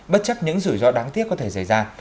bất chấp những rủi ro đáng tiếc có thể xảy ra